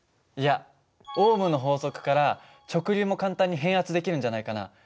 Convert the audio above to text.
いやオームの法則から直流も簡単に変圧できるんじゃないかな。